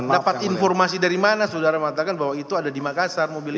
dapat informasi dari mana sudah matang bahwa itu ada di makassar mobil itu